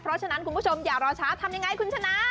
เพราะฉะนั้นคุณผู้ชมอย่ารอช้าทำยังไงคุณชนะ